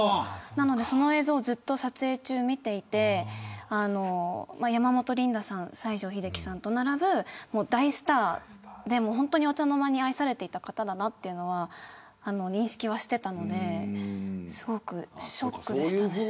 なので、その映像を撮影中見ていて山本リンダさん西城秀樹さんと並ぶ大スターで本当にお茶の間に愛されていた方だなというのは認識はしていたのですごくショックでしたね。